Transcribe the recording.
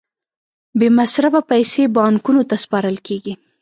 بې مصرفه پیسې بانکونو ته سپارل کېږي